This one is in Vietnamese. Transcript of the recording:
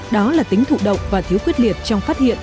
đó là tính thụ động và thiếu quyết liệt trong phát hiện